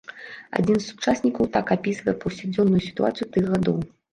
Адзін з сучаснікаў так апісвае паўсядзённую сітуацыю тых гадоў.